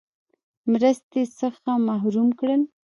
مرستې څخه محروم کړل.